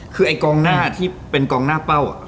คือไอ้กองหน้าที่เป็นกองหน้าเป้า